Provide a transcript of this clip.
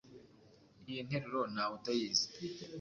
iyi nteruro ntawe utayizi